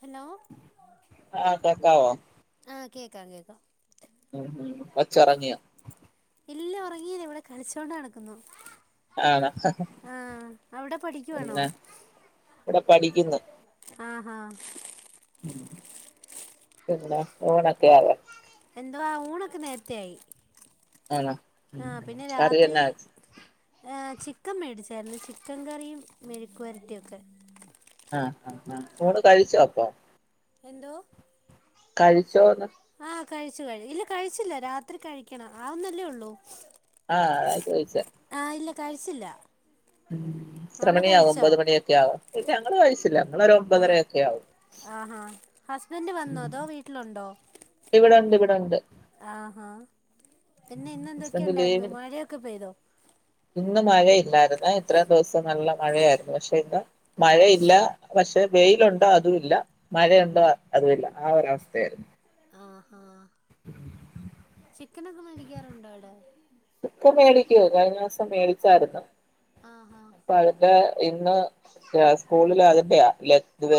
Hello ആഹ് കേക്കാവോ ആ കേക്കാം കേക്കാം. ഉം കൊച്ചോറങ്ങിയൊ? ഇല്ല ഉറങ്ങീല്ല ഇവിടെ കളിച്ചോണ്ട് നടക്കുന്നു ആണോ ആ അവിടെ പഠിക്കുവാണോ പിന്നെ ഇവിടെ പഠിക്ക്ന്ന് ആ പിണ ഊണൊക്കെയായോ എന്തുവാ ഊണൊക്കെ നേരത്തെ ആയി എന്താണ് ആഹ് പിന്നെ രാത്രി കറിഎന്നാ വെച്ചെ ചിക്കൻ മേടിച്ചായിരുന്നു ചിക്കൻ കറിയും മെഴക്കു വെരട്ടി ഒക്കെ ആ ആ ആ ഊണ് കഴിച്ചൊ അപ്പം എന്തോ കഴിച്ചോന്ന് ആ കഴിച്ചു കഴി ഇല്ല കഴിച്ചില്ല രാത്രി കഴിക്കണം ആവുന്നെ അല്ലേ ഉള്ളൂ ആ അതാ ചോദിച്ചെ ആഹ് ഇല്ല കഴിച്ചില്ല എത്ര അവിടെ മണി ആവും കഴിച്ചോ ഒമ്പത് മണിയൊക്കെ ആവും ഇല്ല ഞങ്ങള് കഴിച്ചില്ല ഞങ്ങളൊരു ആ ഒമ്പതരയൊക്കെ ആവും ആ ഹസ്ബൻഡ് വന്നോ അതോ വീട്ടിലുണ്ടോ ഇവിടെ ഉണ്ട് ആ പിന്നെ ഇന്നെന്തൊക്കെ ഹസ്ബൻഡ് ഉണ്ടായിരുന്നു ലീവിന് മഴയൊക്കെ പെയ്തോ ഇന്ന് മഴയില്ലായിരുന്നെ ഇത്രയും ദിവസം നല്ല മഴയായിരുന്നു പക്ഷെ ഇന്ന് മഴയില്ല പക്ഷെ പക്ഷേ വെയിലുണ്ടോ അതും ഇല്ല ആഹാ മഴയുണ്ടോ അതും ഇല്ല ആ ഒരവസ്ഥയായിരുന്നു ആഹാ ചിക്കനൊക്കെ മേടിക്കാറുണ്ടോ അവിടെ ചിക്കൻ മേടിക്കുവോ കഴിഞ്ഞ ദിവസം സം മേടിച്ചായിരുന്നു ആഹാ അപ്പ അതിൻ്റെ ഇന്ന് സ്കൂളിൽ അതിന്റെയാ ലെഗ്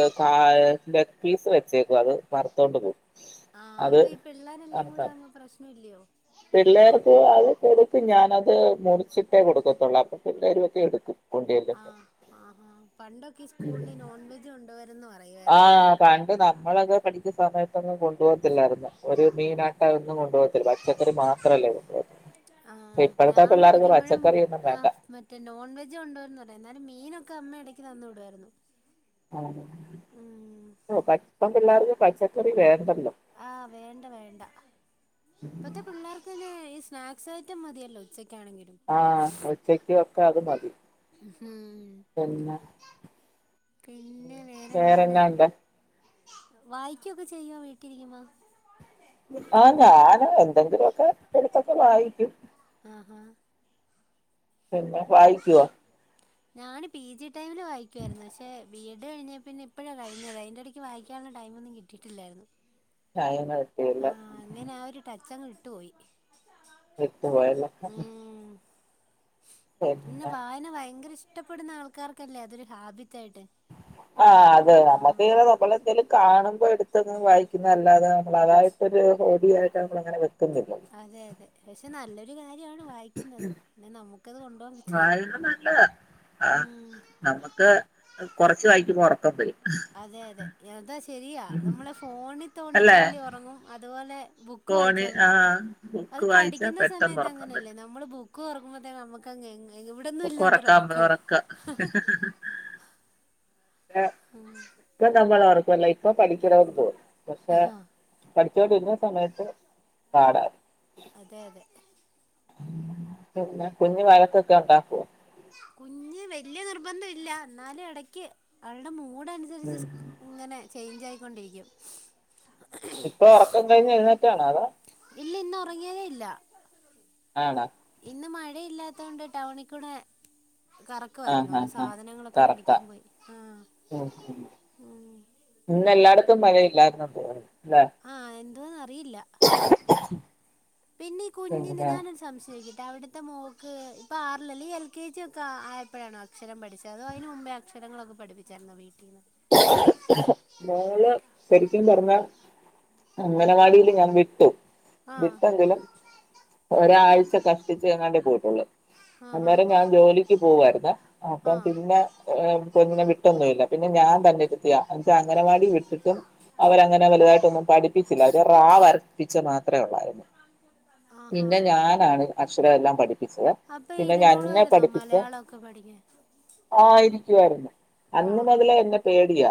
ലെഗ് പീസ് വെച്ചേക്കും അത് വറുത്തോണ്ട് പോകും ആ അത് അപ്പൊ ഈ പിള്ളേരെല്ലാം കൂടെ വറുത്ത ആവുമ്പം പ്രശ്നം ഇല്ലയോ പിള്ളേർക്ക് അത് കൊടുക്കും ഞാനത് മുറിച്ചിട്ടേ കൊടുക്കത്തുള്ളൂ അപ്പൊ പിള്ളേരു എക്കെ എടുക്കും കൊണ്ട്ചെല്ലുബ ആഹ് ആഹാ പണ്ടൊക്കെ സ്കൂളില് നോൺവെജ് കൊണ്ട് ആ പണ്ട് നമ്മളൊക്കെ പഠിക്കുന്ന സമയ ഒന്നും കൊണ്ടു പോകത്തില്ലായിരുന്നു ഒരു മീനാട്ട ഒന്നും കൊണ്ടു പോകത്തില്ല പച്ചക്കറി മാത്രമല്ലേ കൊണ്ടുപോകുന്ന ആ ഞാൻ പഠിക്കുമ്പോഴും പച്ചക്കറി ഒന്നും ആ് വേണ്ട മറ്റേ നോൺ വെജ് ഉണ്ടോന്ന് പറയാ എന്നാലും മീനൊക്കെ എനക്ക് അമ്മ ഇടയ്ക്ക് നന്ന വിടുമായിരുന്നു ആ പപ്പ പിള്ളേർക്ക് പച്ചക്കറി വേറെ ആ വേണ്ട വേണ്ട ഇപ്പത്തെ പിള്ളേർക്ക് തന്നെ ഈ സ്നാക്സ് ഐറ്റം മതിയല്ലോ ഉച്ചയ്ക്ക് ആഹ ഉച്ചക്ക് ഒക്കെ അത് മതി ഹം ഉ വേറെല്ലാം ഉണ്ട് വായിക്കുവൊക്കെ ചെയ്യവാ വീട്ടിലിരിക്ക്പ ആഹാന എന്തന്ത്വക്ക ആഹ ആഹ പിന്നെ വായിക്കുവ ഞാന് പി ജി ടൈമില് വായിക്കുവായിരുന്നു പക്ഷേ ബി എഡ് കഴിഞ്ഞാൽ പിന്നെ എപ്പോഴാ കഴിഞ്ഞത് അതിന്റെ ഇടയ്ക്ക് വായിക്കാ ടൈമൊന്നും കിട്ടിയിട്ടില്ലായിരുന്നു ചായ ആഹ അങ്ങനെ ആ ഒരു ടച്ച് അങ്ങ് ഇട്ടുപോയി എത്ത പോയല്ല പിന്നെ വായന ഭയങ്കര ഇഷ്ടപ്പെടുന്ന ആൾക്കാർക്കല്ലേ അതൊരു ഹാബിറ്റ് ആഹ അതെ നമ്മുക്ക് ഇ തപ്പല എന്തും കാണുമ്പോ ടു വായിക്കുന്നതല്ലാതെ നമ്മൾ അതായിട്ടൊരു ഹോഡിയായിട്ടാണ് നമ്മള അങ്ങനെ വെക്കുന്നല്ല അതെ അതെ പക്ഷെ [unintelligible] വായിക്കുന്നത് പിന്നെ നമുക്കത് കൊണ്ടുപോകാൻ പറ്റുന്നില്ല ആ ഉം നമ്മുക്ക് കൊറച്ച് വഴിക്ക് പോണം അതെ അതെ [unintelligible] ശരിയാ നമ്മളെ ഫോണിൽ തോണ്ടി അല്ലെ തോണ്ടി ഉറങ്ങും അതുപോലെ ബുക്ക് ഫോണ് വായിച്ചാലും ആഹ് അത് ബുക്ക് വായിച്ചാ പഠിക്കുന്ന പെട്ടെന്ന് സമയത്ത് ഒറക്കം അങ്ങനെയല്ലേ വരും നമ്മള് ബുക്ക് തുറക്കുമ്പത്തേനു നമുക്കങ്ങ് എങ്ങ് ഇപ്പൊ കൊറക്കാ [unintelligible] [unintelligible] ഇപ്പൊ നമ്മളോർക്കുവല്ല ഇപ്പൊ പഠിക്കണോന്ന് തോന്നും പക്ഷെ ആഹ് പഠിച്ചോണ്ടിരുന്ന സമയത്ത് പാടാ അതെ അതെ പിന്നെ കുഞ്ഞ് വഴക്കൊക്കെ ഉണ്ടാക്കോ കുഞ്ഞ് വല്യ നിർബന്ധം ഇല്ല എന്നാലും ഇടക്ക് അവളുടെ മൂ മൂടനുസരിച്ച് ഇങ്ങനെ ചേഞ്ച് ആയിക്കൊണ്ടിരിക്കും ഇപ്പൊ ഉറക്കം കഴിഞ്ഞ് എഴുന്നേറ്റാണൊ അതൊ ഇല്ല ഇന്ന് ഉറങ്ങിയതേ ഇല്ല ആണൊ ഇന്ന് മഴയില്ലാത്തൊണ്ട് ടൗണിക്കൂടെ കറക്കമായിരുന്നു ആഹ് ഓരോ ആഹ് ആഹ് സാധനങ്ങളൊക്കെ കറക്റ്റാ മേടിക്കാൻ പോയി ആഹ് ഉം ഉം. ഉം ഇന്ന് എല്ലായിടത്തും മഴയില്ലായിരുന്നു [unintelligible] ആഹ് എന്തുവാന്ന് അറിയില്ല പിന്നെ ഈ കുഞ്ഞിന് പിന്നെ ഞാനൊര് സംശയം ചോയിക്ക ട്ടെ. അവിടുത്തെ മോക്ക് ഇപ്പൊ ആറിലല്ലേ എൽ കെ ജി ഒക്കെ ആയപ്പഴാണോ അക്ഷരം പഠിച്ചത് അതോ അതിന് മുമ്പേ അക്ഷ രങ്ങളൊക്കെ പഠപ്പിച്ചാരുന്നൊ വീട്ടീന്ന് മോള് ശരിക്കും പറഞ്ഞാ അങ്ങലവാടിൽ ഞാൻ വിട്ടു ആഹ് വിട്ടെങ്കിലും ഒരാഴ്ച കഷ്ടിച്ച് എങ്ങാണ്ടെ പോയിട്ടുള്ളു ആഹാ അന്നേരം ഞാൻ ജോലിക്ക് പോവായിരുന്നെ അപ്പം ആഹ് പിന്നെ കുഞ്ഞിനെ വിട്ടൊന്നും ഇ ല്ല പിന്നെ ഞാൻ [unintelligible] ഇന്നട്ട് അങ്ങലവാടി വിട്ടിട്ടും അവരങ്ങനെ വലതായിട്ടൊന്നും പഠിപ്പിച്ചില്ല. ഒരു റ വരപ്പി ച്ചത് മാത്രേ ഉള്ളായ്ര്ന്നു. ആഹാ പിന്നെ ഞാനാണ് അക്ഷര എല്ലാം പഠി ടീച്ചറെ അപ്പൊ പിന്നെ ഞ എന്നെ ഇരുന്നോളുവായിരുന്നോ പഠിപ്പിച്ച മലയാളൊക്കെ പഠിക്കാൻ ആയിരിക്കുവരുന്നു അന്ന് ആഹാ മുതല എന്ന പേടിയ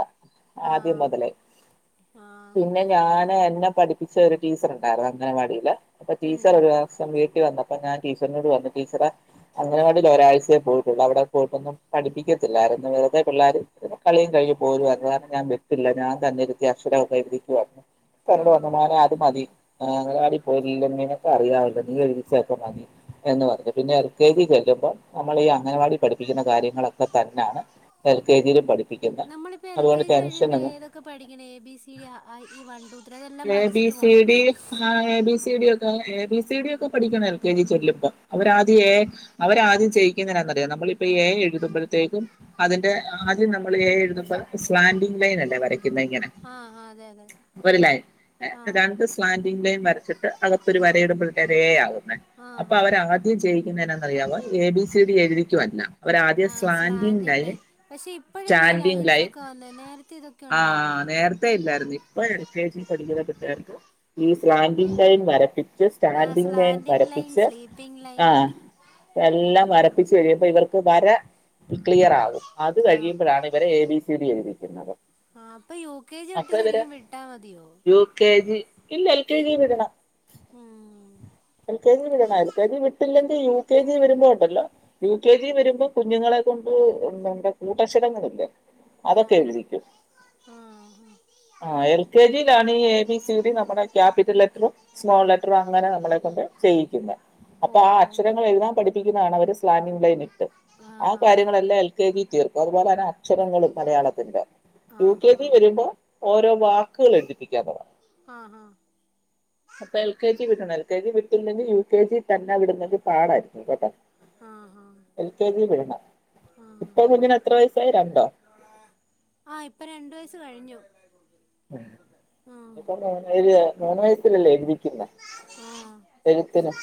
ആദ്യം ആഹ് മുതലേ ആഹ് പിന്നെ ഞാന് എന്നെ പഠി.. ഒരു ടീച്ചർ ഉണ്ടായിരുന്നു അംഗനവാടിയില് അപ്പ ഉം ടീച്ചർ ഉം ഒരു വർഷം വീട്ടി വന്ന അപ്പൊ ഞാൻ ടീച്ചറിനോട് വന്നു ടീച്ചറെ അങ്ങനവാടില് ഒരാഴ്ചയ പോയിട്ടുള്ളൂ അവിടെ പോയിട്ടൊന്നും പഠിപ്പിക്കത്തില്ല അ വെർതെ പിള്ളോര് കളി കഴിഞ്ഞു പോരുവരുന്നു കാരണം ഞാൻ പറ്റില്ല ഞൻ തന്നെരുത്തി അക്ഷരകെയ്തി കണ്ട് ആഹാ വന്ന മാനെ അത് മതി ആ് അംഗനവാടി പോയില്ലീനൊക്കെ അറിയാവല്ലോ നീ എഴതിിച്ചൊക്കെ മതി എന്ന് പറഞ്ഞു പിന്നെ എൽ കെ ജി ചെല്ലോ ക്കുമ്പോ നമ്മൾ ഈ അംഗൻവാടി പഠിപ്പിക്കുന്ന കാര്യങ്ങളൊക്കെ തന്നെയാണ് എൽ കെ ജിയിലും പഠി നമ്മളിപ്പോ എൽ കെ ജി കഴിയുമ്പോ ഏതൊക്കെ പഠിക്കണെ എ ബി സി അ ആ ഇ വൺ ടു [inaudible] എ ബി പഠിച്ചിട്ട് സി പോണോ ഡി ആ എ ബി സി ഡി ഒക്കെ എ ബി സി ഡി ഒക്കെ പഠിക്കണം എൽ കെ ജി ചെല്ലുമ്പൊ അവരാദ്യ എ അവരാദ്യം ചെയിക്കുന്നെന്നറിയാം നമ്മളിപ്പൊ എ എ എഴുതുമ്പോഴത്തേക്കും അതിന്റെ ആദ്യം നമ്മൾ എ എഴുതുമ്പോൾ സ്ലാൻഡിലൈൻ അല്ലേ വരയ ആ ആ അതെ അതെ [unintelligible] ഒരു ലൈൻ ആ [inaudible] രണ്ടു സ്ലാ [unintelligible] വരച്ചിട്ട് അകത്തൊരു വരയിട്ബഴതെയ്ക്ക് ഏ ആവും ന്നാ ആ അപ്പൊ അവരാദ്യം ചെയ്യൂ [unintelligible] എ ബി സി ഡി എഴുതിക്കു അല്ല. അവർ ആദ്യം ആ സ്ലാൻഡിങ് സ്ലാൻഡിങ്ങിലായി ലൈൻ പക്ഷെ ഇപ്പോഴല്ലേ ഈ ലൈൻസ് സ്റ്റാൻഡിങ്ങിലായി ഒക്കെ വന്നെ നേരത്തെ ഇതൊക്കെ ആ.... ഉണ്ടായിരുന്നോ നേരത്തെേ ഇല്ലായിരുന്നു ഇപ്പൊ എൽ കെ ജി പഠിക്കുന്ന കട്ടുകർക്ക് ഈ സ്ലാന്റി ലൈൻ വര [unintelligible] ആ സ്റ്റാന്റി ലൈൻ സ്ലാൻഡിങ് ലൈൻ വരപ്പിച്ച് സ്ലീപ്പിങ് ലൈൻ ആഹ. എല്ലാം ഉം വരപ്പിച്ചു കഴിയുമ്പോ ഇവർക്ക് വര ക്ലിയർ ആകും അത് ആ കഴിയുമ്പോഴാണ് ഇവരെ എ ബി സി ഡി എഴുതിക്കുന്നത് ആ അപ്പൊ യു കെ ജ്യോട്ടു അപ്പൊ ഇവര് ശരിക്കും വിട്ടാ മതിയോ യു കെ ജി ഇല്ല എൽ കെ ജി വിടണം. ഉം എൽ കെ ജി വിടണം എൽ കെ ജി വീട്ടില്ല പിന്നെ യു കെ ജി വരുമ്പോ ഉണ്ടല്ലോ യു കെ ജി വരുമ്പോ കുഞ്ഞുങ്ങളെ കൊണ്ട് നമ്മന്റെ കൂട്ടക്ഷരങ്ങളില്ലേ ആ അതൊക്കെ എഴുതിക്കും ആ ആ ആ L K G [unintelligible] A B C നമ്മുടെ ക്യാപിറ്റൽ ലെറ്ററും സ്മോൾ ലെറ്ററും അങ്ങനെ നമ്മളെ കൊണ്ട് ചെയ്യിക്കുന്ന ഓ അപ്പൊ ആ ഓ അക്ഷരങ്ങൾ എഴുതാ പഠിപ്പിക്കുന്നതാണ് അവര് സ്ലാനിലൈൻ. ആ ഹാ ഹാ കാര്യങ്ങളെല്ലാം എൽ കെ ജി തീർക്കും അതുപോലെ തന്നെ അക്ഷരങ്ങളും മലയാളത്തിന്റെ ആ യു കെ ഹാ ജി വരുമ്പോ ഓരോ വാക്കുകളുണ്ട് തുടങ്ങും ആ ഹാ അപ്പൊ L K G L K G വിടണം എൽ കെ ജി വിട്ടില്ലെങ്കി യു കെ ജി തന്നെ വിടുന്നത് പാടായിരിക്കും കെട്ടൊ ആ ഹാ എൽ കെ ജി വിടണം ആഹ് ഇപ്പൊ കുഞ്ഞിന് എത്ര വയസായി രണ്ടോ? ആ ഇപ്പൊ രണ്ടു വയസ്സ് കഴിഞ്ഞു ആഹ് ഇപ്പ മുന്ന് മൂന്ന് വയസ്സിലല്ലേനി പിന്നേ ആഹ് എഴുത്തിനും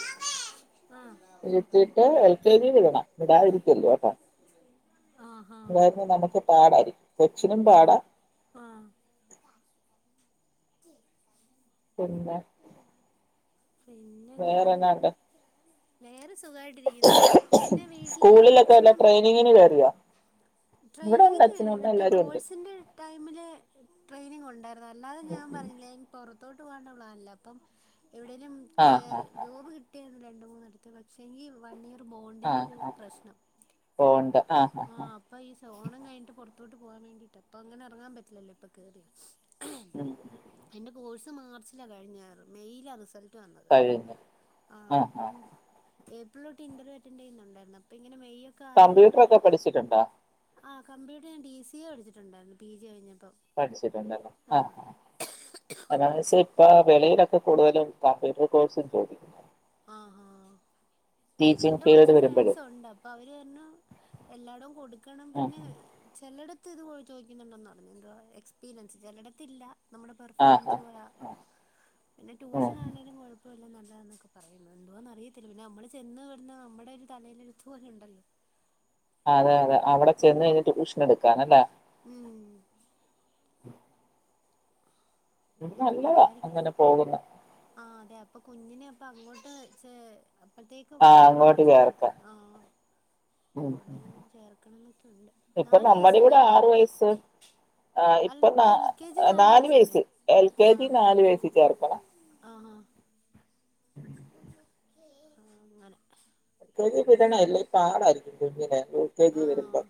ആഹ് ഇരുത്തിയിട്ട് എൽ കെ ജി വിടണം വിടാതിരിക്കല്ലോ കേട്ടോ ആഹാ [unintelligible] നമുക്ക് പാടാരിക്കും കൊച്ചിനും പാടാ ആഹ് ആഹ് പിന്നെന്താണ് വേറെന്നാണ്ട് വേറെ സുഖായിട്ടിരിക്കുന്നു പിന്നെ വീട്ടില് സ്കൂളിലൊക്കെ വല്ല അച്ഛനും അമ്മക്കെ ട്രെയിനിങ്ങിന് കയറിയോ ഇവിടെ ഉണ്ട് ട്രെയിനിങ്ങിന് അച്ഛനും അമ്മ മറ്റേ എല്ലാരും ഉണ്ട് കോഴ്സിന്റെ ടൈമില് ട്രെയിനിങ് ഉണ്ടായിരുന്നു അല്ലാതെ ഞാൻ പറഞ്ഞില്ലേ പുറത്തോട്ട് പോകണ്ട പ്ലാനാ അപ്പം എവിടേലും കേ ആഹ് ആഹ് ജോബ് കിട്ടിയായിരുന്നു രണ്ട് മൂന്നടുത്ത് പക്ഷെങ്കി വൺ ഇയർ ആ ബോണ്ടിന്റെ ഒരു ആ പ്രശ്നം പോണ്ട് ആ ആ ആ ആഹ് അപ്പൊ ഈ ഫോണും കഴിഞ്ഞട്ട് പൊറത്തോട്ട് പോകാൻ വേണ്ടീട്ട് അപ്പൊ അങ്ങനെ ഇറങ്ങാൻ പറ്റില്ലല്ലോ ഇപ്പം കേറിയാ ഉം. എന്റെ കോഴ്സ് മാർച്ചിലാണ് കഴിഞ്ഞറ് മെയിലാണ് റിസൾട്ട് വന്നത് കഴിഞ്ഞു ആഹ് ആ ആ അപ്പം ഏപ്രീലൊട്ട് ഇന്റർവ്യൂ അറ്റൻ്റ് ചെയുന്നുണ്ടായിരുന്നു അപ്പ കമ്പ്യൂട്ടറൊക്കെ പഠിച്ചിട്ടുണ്ടാ ആഹ് കമ്പ്യൂട്ടർ ഞാൻ ടി സി എ പഠിച്ചിട്ടുണ്ടായിരുന്നു പി ജി കഴിഞ്ഞപ്പോ പഠിച്ചിട്ടുണ്ടല്ലോ ആഹ് ആഹ് അതാണ് അങ്ങനെ [unintelligible] ഇപ്പൊ വെളിയിലൊക്കെ കൂടുതലും കമ്പ്യൂട്ടർ കോഴ്സും ചോദിക്കുന്നു ആഹ് ഹാ ടീച്ചിങ് എന്റെ കുറച്ച് ഫീൽഡ് ഫ്രണ്ട്സ് വരുമ്പോഴും ഉണ്ട് അപ്പൊ അവര് പർഞ്ഞു എല്ലാടൊം കൊടുക്കണം ആ പിന്നെ ചെലട ത്ത് ഇത് പോഴ ചോദിക്കുന്നുണ്ടെന്ന് പറഞ്ഞു എന്തോ എക്സ്പീരിയൻസ്. ചിലടത്തില്ല നമ്മുടെ ആ ആ പെർഫോമൻസ് പോല പിന്നെ ഉം. ട്യൂഷനാണെങ്ലും കുഴപ്പ വില്ല നല്ല താന്നൊക്കെ പറയുന്നു എന്തുവാന്ന് അറിയത്തില്ല പിന്നെ നമ്മള് ചെന്ന് നമ്മുടെ ഒരു തലേലെഴുത്ത് പോലെ ഉണ്ടല്ലോ അതെ അതെ അവിടെ ചെന്ന് കഴിഞ്ഞ് ട്യൂഷൻ എടുക്കാനല്ലേ ഉമ് ഉ [unintelligible] ഉം അങ്ങനെയൊക്കെ നല്ലതാ വിചാരിക്കും അങ്ങനെ പോകുന്നെ ആ അതെ അപ്പൊ കുഞ്ഞിനെ അപ്പ അങ്ങോട്ട് അപ്പഴ്ത്തേക്കൊക്കെ ആഹ് ആവല്ലോ അങ്ങോട്ട് ചേർ ചേർക്കാം ആഹ് ഉം അവിടെ എല്ലാം ചേർക്കണം എന്നൊക്കെയുണ്ട് നാല് വയസല്ലേ ഇപ്പം ആ അല്ല ഇപ്പം ന ഇപ്പൊ എൽ കെ ജി നാല് വയസ്സല്ലോ വയസ്സ്. എൽ കെ ജി ആഹ് നാല് വയസ്സി ചേർക്കണം ആഹ് ആ അങ്ങനെ എൽ കെ ജി വിടണം അല്ലേ പാടായിരിക്കും കുഞ്ഞിന് യു കെ ജി ആഹ് വരുമ്പം.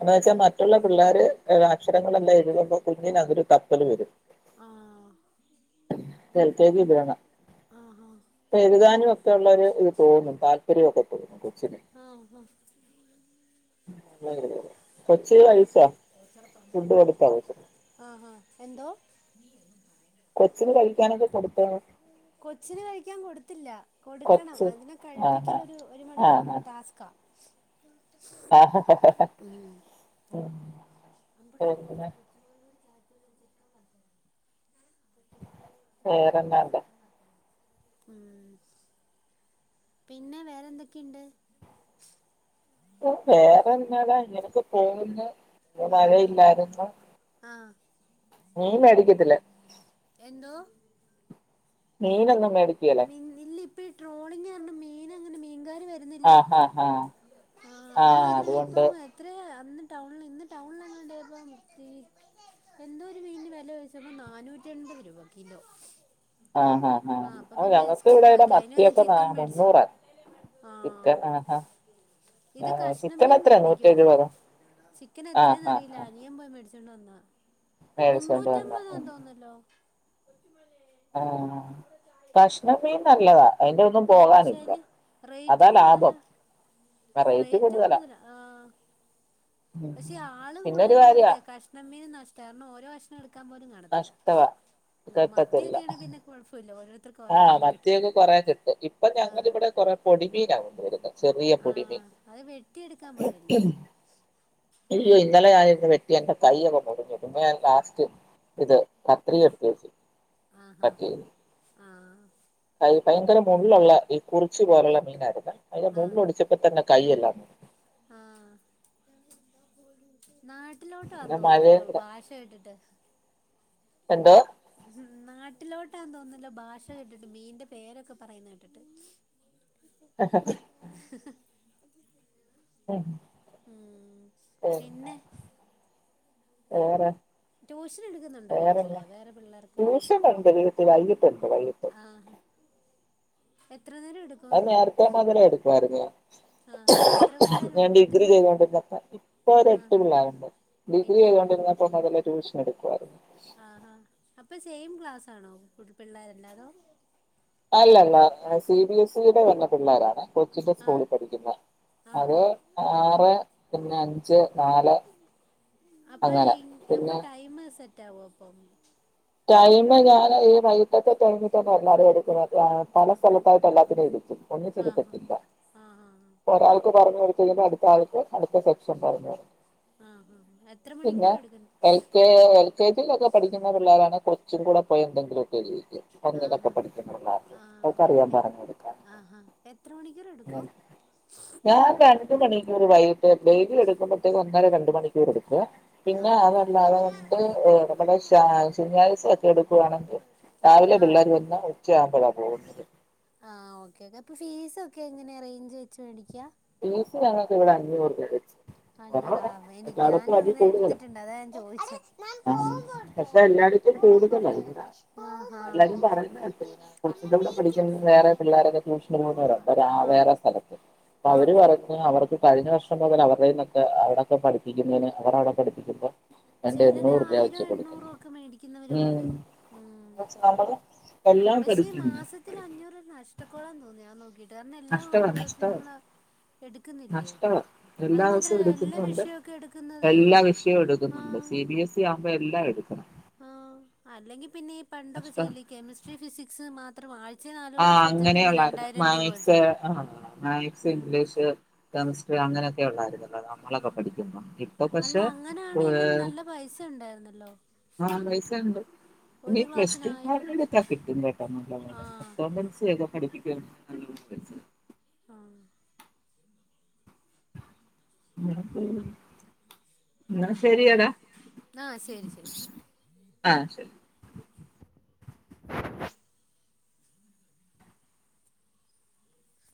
എന്ന് അതെ വെച്ചാ അതെ മറ്റുള്ള പിള്ളാര് അക്ഷ രങ്ങളെല്ലാം എഴതുമ്പോ കുഞ്ഞിനതൊരു തപ്പല് വരും ആഹ് എൽ കെ ജി വിടണം ആഹ് പ്പം [unintelligible] [unintelligible] താല്പര്യമൊക്കെ [unintelligible] ആ ആ [unintelligible] കഴിച്ചോ ഫുഡ് കൊടുത്തോ കൊച്ചിന് ആ ആഹ് എന്തോ കൊച്ചിന് കളിക്കാനൊക്കെ കൊടുത്തോ കൊച്ചിന് കഴിക്കാൻ കൊടുത്തില്ല കൊടുക്കണം കൊച്ച് അതിനെ ആഹാ കഴിപ്പിക്കൽ ഒരു മണിക്കൂർ ഒരു ടാസ്ക്കാ ആ അ ഉം [unintelligible] [inaudible] വേറെന്നാണ്ട് മ് പിന്നെ വേറെന്തൊക്കെയിണ്ട് വേറെന്താലാ അങ്ങനൊക്കെ പോകുന്ന് ഇ ആഹ് വരയില്ലാരുന്ന ആഹ് നീ മേടിക്കത്തില്ല എന്തോ മീനൊന്നും മേടിക്കല്ലേ മീൻ ഇല്ല ഇപ്പ ഈ ട്രോളിംഗ് കാരണം മീൻ അങ്ങനെ [unintelligible] വരുന്നില്ല ആഹ് ആഹ് ആഹ് ആ അത് ആഹ് മാത്രം അല്ല അതുകൊണ്ട് പ്പം എത്ര [unintelligible] ഇന്ന് ടൗണിൽ ഇന്ന് ടൗണിൽ അങ്ങ ഉണ്ടായപ്പോൾ [unintelligible] എന്തോരു മീൻറെ വില കഴിച്ചപ്പോൾ നാനൂറ്റി ൺപത് രൂപ കിലോ ആ ആ ആ ആഹ് അപ്പൊ ആ പിന്നെ ഞങ്ങക്ക് ഇവിടെ ഇടെ സ്കിപ്പാക്കി അതിന് പകരം മത്തിയൊക്കെ ന ചിക്കൻ മേടിച്ചു മുന്നൂറാ ആഹ് ചിക്കൻ ആഹ് ഇത് ചിക്കൻ കഷ്ണമീ എത്രയാ നൂറ്റി മേടിക്കും എഴുപതോ ചിക്കൻ ആഹ് എത്രെന്നറിയില്ല അനിയൻ പോയി ച്ചോണ്ട് വന്ന മേടിച്ചൊണ്ട വന്ന മ് ആ കഷ ണ മീൻ നല്ലതാ അതിന്റെ ഒന്നും ആഹ് പക്ഷെ പോകാനില്ല അതിന് അതാ റേറ്റും ലാഭം കൂടുതലാ റേറ്റ് കൂടുതല ആ പക്ഷെ ആള് പിന്നൊരു കൂടുതല കാര്യ ഉള്ളടുത്ത കഷ്ണംമീൻ നഷ്ട കാര ഓരോ കഷ്ണം എടുക്ക ാൻ പോലും കാണത്തില്ല നഷ്ടവാ മത്തിയൊക്കെയാണ് പിന്നെ കുഴപ്പില്ല ഓരുത്ത ആ മത്തിയൊക്കെ കൊറെേ കിട്ടും ഇപ്പൊ ആ ഞങ്ങ ഇവിടെ കൊറെ പൊടിമീനാ കൊണ്ട വരുന്നത് ചെറിയ ആ പൊടിമ അത് വെട്ടിയെടുക്കാൻ പാടല്ലേ അയ്യോ ഇന്നലെ ആയി വെറ്റി എന്റെ കൈൊക്കെ മുറിഞ്ഞട്ടമ്മ ഞാൻ ലാസ്റ്റ് ഇത് കത്രി എടുത്തി വെച്ചു ആ ആഹ് കൈ ഭയങ്കര മള്ുള്ള ഈ കുറിച്ചു പോലുള്ള മീനായിരുന്നു അതിന്റെ ആഹാ മള്ൊടിച്ചപ്പോ തന്നെ കൈ എല്ലാം ആ നാട്ടിലോട്ട് വന്ന പിന്നെ തോന്നുന്നല്ലോ മഴയും കൂടെ ഭാഷ കേട്ടിട്ട് എന്തോ നാട്ടിലോട്ട് ട്ടാൻ തോന്നില്ല ഭാഷ കേെട്ടിട്ട് മീന്റെ പേരൊക്കെ പറയുന്ന കേട്ടിട്ട് ആഹ ആ മ് പിന്നെ വെറെ ട്യൂഷൻ എടുക്കുന്നുണ്ടോ വേറെ വീട്ടില് ന്നാ വേറെ പിള്ളേർക്ക് വല്ലോം ട്യൂഷൻ ഉണ്ട് വീട്ടിൽ വൈകിട്ടുണ്ട് വൈകിട്ട് [inaudible] ആഹ് എത്ര നേരം എടുക്കും അത് നേരത്തെ മതിര എടുക്കുയിരുന്നു ആഹാ എത്ര ഞാൻ പിള്ളേരുണ്ട് എത്ര ഡിഗ്രി മണി ചെയ്തോണ്ടിരുന്ന ഇപ്പൊ ഒരു എട്ട് ആഹാ പിള്ളേരുണ്ട് ഡിഗ്രി എട്ട് ചെയ്തൊണ്ടിരുന്ന അപ്പം അതല്ല ട്യൂഷൻ എടുക്കുവായിരുന്നു ആഹ് അപ്പൊ സെയിം ക്ലാസ് ആണോ ഫ പിള്ളേർല്ലാതോ അല്ലല്ല സി ബി എസ് ഇടെ വഞ്ഞ പിള്ളോരാണ് കൊച്ചിന്റെ ആഹ് സ്കൂളിൽ പഠിക്കുന്ന അത് ആഹാ ആറ് പിന്നെ അഞ്ച് നാല് അപ്പൊ അങ്ങനെ അപ്പൊ പിന്നെ ടൈം സെറ്റ് ആവ അപ്പം ടൈമ ഞാൻ ഈ വൈകട്ടത്തെ ടൈമിന്നെ എല്ലാവരും എടുക്കുന്നത് പല സ്ഥലത്തായിട്ട് എല്ലാത്തിനും എും ഒന്നു ആഹാ തരുക്കട്ടില്ല ആഹാ ഒരാൾക്ക പറഞ്ഞ വരത്ത അടുത്ത ആൾത്ത് അടുത്ത സെക്ഷൻ പറഞ്ഞഞ് ആഹാ എത്ര പിന്നെ മണിക്കൂർ എടുക്കും എൽ കെ എൽ കെ ജ ഒക്കെ പഠിക്കുന്ന പിള്ളേരാണ് അങ്ങെ കുറച്ചും കൂടെ പോയി എന്തെിലൊക്കെ ചെയ്യ പഞ്ഞൊക്കെ ആഹാ പഠിക്കുന്നള്ള ആഹ് അവക്കറിയാൻ എ പറഞ്ഞു കൊടുക്കാൻ ആഹാ എത്ര മണിക്കൂർ എടുക്കും ഞാൻ രണ്ട മണിക്കൂർ വൈകിട്ട് ഡെയിലി എടുക്കുമ്പോഴത്തേക്ക ഇന്നര രണ്ട മണിക്കൂർ എടുത്ത് പിന്നെ ആഹാ അതല്ല അതുകണ്ട് നമ്മുടെ സ ഒക്കെ എടുക്കുയാണെങ്കിൽ രാവിലെ ആഹ് പിള്ളേർ വന്നാ ഉച്ചയാവുമ്പോഴാണ് പോകുന്നത് ആ ഓക്കേ ഓക്കേ അപ്പൊ ഫീസ ഒക്കെ എങ്ങനെ അറേഞ്ച് വെച്ച് മേടിക്ക ഞങ്ങൾക്ക് ഇവിടെ അഞ്ഞൂറ് അഞ്ഞൂറാ കുറവാ എനി എല്ലായിടത്തും ഞാനും അങ്ങനെ എടുത്തിട്ടുണ്ട് അതാ ഞാൻ ചോദിച്ചു ആ് പക്ഷെ എല്ലാർക്കും കൂടുതല ഇ ആഹാ. എല്ലാരും പറയുന്നെ കുളിച്ചന്റെ കൂടെ പഠിക്കുന്ന വേറെ പിള്ളോരൊക്കെ ട്യൂഷന് പോ വേറെ ആ ആ അവര് ഹാ പറയ അവർക്ക് ക ം പോലെ അവരുടെ നിന്നൊെ അ അവടെൊക്കെ പഠിപ്പിക്കുന്നതിന് അവർ അടെ പഠിപ്പിക്ക്പോ ചിലർ ആയിരം എണ്ണൂറോ ഒക്കെ മേടിക്കുന്നവരുണ്ട് ഉം. ഉ പക്ഷെ നമ്മള് എല്ലാം പക്ഷെ ഈ പഠിക്കുന്നുണ്ട് മാസത്തിൽ അഞ്ഞൂറ്ണ്ണം ഇഷ്ടക്കോളാന്ന് തോന്നിയ ാൻ നോക്കിട്ട് ഇട്ടാര എല്ലാം നറ നഷ്ടമാണ് ദിവസം നഷ്ടമാണ് നമ്മള നഷ്ടമാണ് എല്ലാ ദിവസവും മാത്രമല്ല എല്ലാ എടുക്കുന്നുണ്ട് വിഷയമൊക്കെ എടുക്കുന്നത് എല്ലാ വിഷയവും എടുക്കുന്നുണ്ട് സി ബി എസ് സ ആവുമ്പോ എല്ലാം എടുക്കണം ആ അല്ലെങ്കി പിന്നെ ഈ പണ്ടൊക്കെ നഷ്ടം ചെയ്ല്ല കെമിസ്ട്രി ഫിസിക്സ് മാത്രം ആഴ്ച ആ അങ്ങനെയള്ളായിരുന്നു മാത്സ് കിട്ടും ആ മാത്സ് ഉം ഇംഗ്ലീഷ് കെമിസ്ട്രി അങ്ങനെയൊക്കെ ഉള്ളായിരുന്നുല്ല നമ്മളൊക്കെ ആഹ് പഠിക്കുന്നു ഇപ്പൊ അല്ല പക്ഷെ നലോ ണ്ട് പ്ലസ് ഒക്കെ ക്കാ കിട്ടും കേട്ടന്ന ആഹ് പഠിപ്പിക്കുക എന്ന ആ അ എന്ന ശരിയടാ ആഹ് ശരി ശരി ആ ശരി